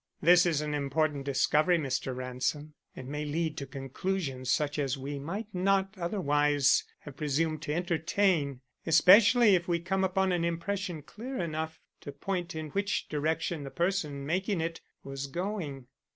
This is an important discovery, Mr. Ransom, and may lead to conclusions such as we might not otherwise have presumed to entertain, especially if we come upon an impression clear enough to point in which direction the person making it was going."